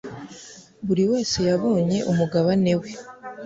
Buri wese yabonye umugabane we.